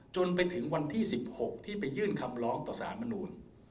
จนถึงวันที่๑๖ที่ไปยื่นคำร้องต่อสารมนูล